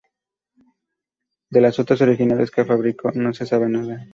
De las otras originales que fabricó no se sabe nada.